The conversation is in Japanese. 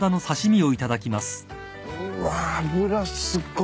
うわ脂すっごい。